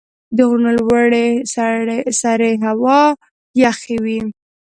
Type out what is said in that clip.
د غرونو لوړې سرې هوا یخ وي.